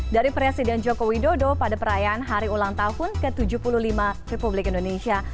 dari presiden joko widodo pada perayaan hari ulang tahun ke tujuh puluh lima republik indonesia